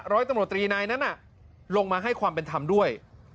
ร้อยตำรวจตรีนายนั้นลงมาให้ความเป็นธรรมด้วย